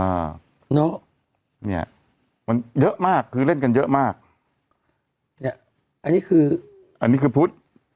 อ่าเนอะเนี้ยมันเยอะมากคือเล่นกันเยอะมากเนี้ยอันนี้คืออันนี้คือพุทธ